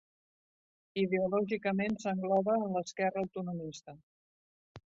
Ideològicament s'engloba en l'esquerra autonomista.